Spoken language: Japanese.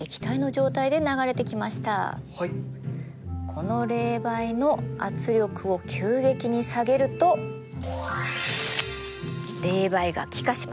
この冷媒の圧力を急激に下げると冷媒が気化します。